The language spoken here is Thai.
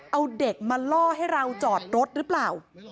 เอาเด็กมาล่อให้เราจอดรถหรือเปล่า